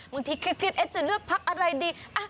มึงที่คิดคิดจะเลือกพักอะไรดี